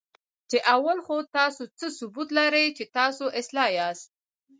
چې اول خو تاسو څه ثبوت لرئ، چې تاسو اصلاح یاست؟